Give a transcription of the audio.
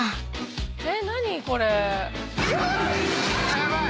ヤバい！